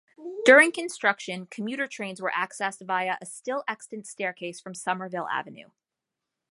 During construction, commuter trains were accessed via a still-extant staircase from Somerville Avenue.